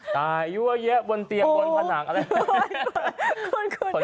สายเยอะเยอะบนเตียงบนผนังอะไรอย่างนั้น